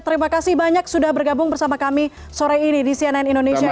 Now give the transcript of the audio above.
terima kasih banyak sudah bergabung bersama kami sore ini di cnn indonesia